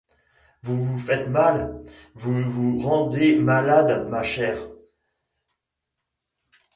Vous vous faites mal, vous vous rendez malade, ma chère.